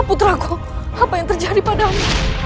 putraku apa yang terjadi padamu